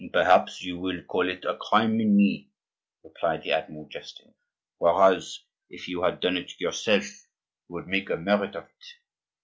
"Perhaps you will call it a crime in me," replied the admiral, jesting, "whereas if you had done it yourself you would make a merit of it."